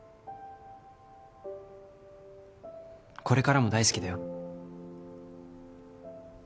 これからも大好きだよ。